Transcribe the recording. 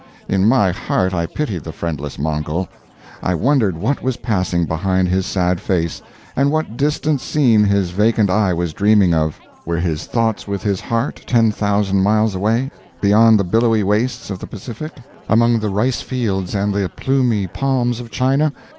In my heart I pitied the friendless Mongol. I wondered what was passing behind his sad face, and what distant scene his vacant eye was dreaming of. Were his thoughts with his heart, ten thousand miles away, beyond the billowy wastes of the Pacific? among the ricefields and the plumy palms of China?